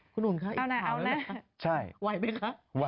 คุณหนุนคะอีกครั้งแล้วนะคะไหวไหมคะ